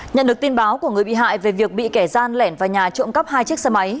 nhận được tin báo của người bị hại về việc bị kẻ gian lẻn vào nhà trộm cắp hai chiếc xe máy